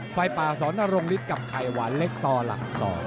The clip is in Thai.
ไฟป่าสอนรงฤทธิ์กับไข่หวานเล็กต่อหลัก๒